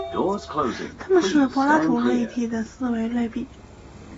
它们是柏拉图立体的四维类比。